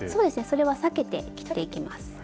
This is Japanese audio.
それは避けて切っていきます。